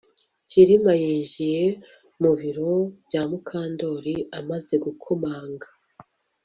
Kirima yinjiye mu biro bya Mukandoli amaze gukomanga